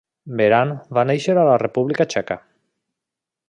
Beran va néixer a la República Txeca.